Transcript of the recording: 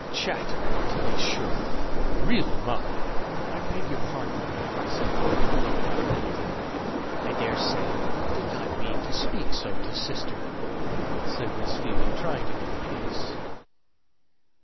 'Chatter' to be sure. Really, Molly " "I beg your pardon," said Molly, only half penitent. "I daresay you did not mean to speak so to sister," said Miss Phoebe, trying to make peace.